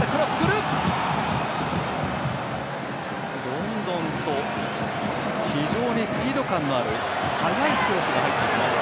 どんどんと非常にスピード感のある速いクロスが入ってきます。